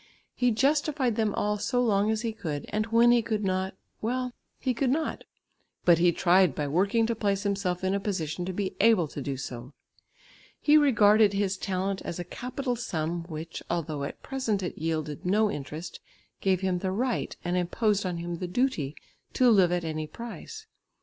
He justified them all so long as he could, and when he could not, well, he could not, but he tried by working to place himself in a position to be able to do so. He regarded his talent as a capital sum, which, although at present it yielded no interest, gave him the right and imposed on him the duty to live at any price.